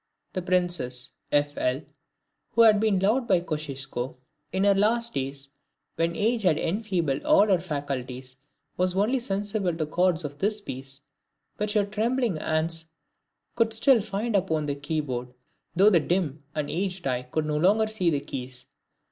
The Princess F. L., who had been loved by Kosciuszko, in her last days, when age had enfeebled all her faculties, was only sensible to the chords of this piece, which her trembling hands could still find upon the key board, though the dim and aged eye could no longer see the keys.